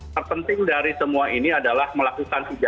yang penting dari semua ini adalah melakukan tiga g